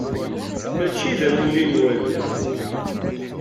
Mačči d amulli-nwen.